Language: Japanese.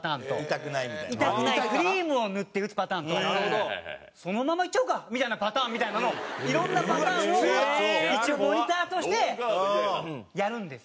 痛くないクリームを塗って打つパターンとそのままいっちゃおうかみたいなパターンみたいなのをいろんなパターンを一応モニターとしてやるんですよ。